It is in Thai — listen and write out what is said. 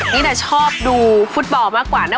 นี้ก็ชอบดูฟุตบอลมากกว่า